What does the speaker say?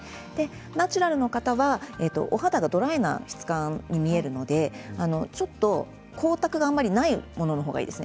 ナチュラルの方はお肌がドライな質感に見えるのでちょっと光沢があまりないものの方がいいですね。